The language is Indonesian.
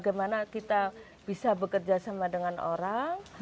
karena kita bisa bekerja sama dengan orang